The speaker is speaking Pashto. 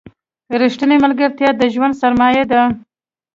رښتینې ملګرتیا د ژوند سرمایه ده.